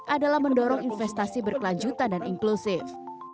adalah mendorong investasi berkelanjutan dan inklusif